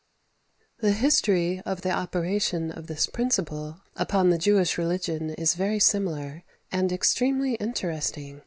22. The history of the operation of this principle upon the Jewish religion is very similar, and extremely interesting.